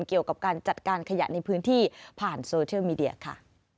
เกี่ยวกับการจัดการขยะในพื้นที่ผ่านโซเชียลมีเดียค่ะ